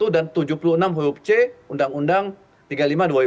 dan tujuh puluh enam huruf c undang undang tiga ratus lima puluh dua ribu empat belas